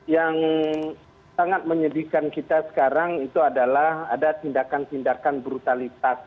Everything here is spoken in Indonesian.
yang sangat menyedihkan kita sekarang itu adalah ada tindakan tindakan brutalitas